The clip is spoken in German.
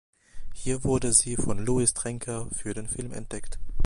Hier wurde sie von Luis Trenker für den Film entdeckt.